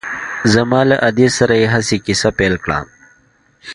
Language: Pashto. زما له ادې سره يې هسې کيسه پيل کړه.